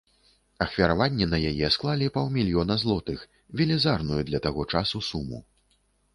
Ахвяраванні на яе склалі паўмільёна злотых, велізарную для таго часу суму.